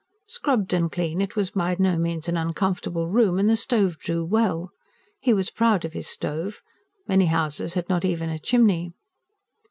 Scrubbed and clean, it was by no means an uncomfortable room; and the stove drew well. He was proud of his stove; many houses had not even a chimney.